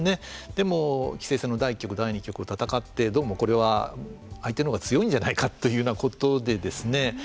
でも棋聖戦の第１局第２局を戦ってどうもこれは相手のほうが強いんじゃないかというようなことでですね